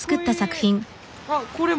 あっこれも？